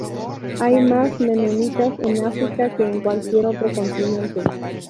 Hay más menonitas en África que en cualquier otro continente.